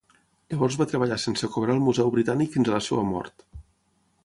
Llavors va treballar sense cobrar al Museu britànic fins a la seva mort.